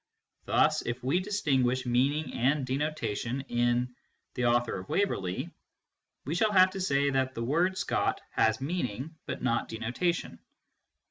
Thus if we distinguish meaning and denotation in " the author of Waverley," we shall have to say that " Scott " has mean ing but not denotation.